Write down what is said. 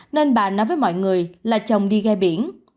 nên bà nói với mọi người là chồng đi ghe biển